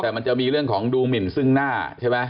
แต่มันจะมีเรื่องของดูหมินซึ่งหน้าใช่ไหม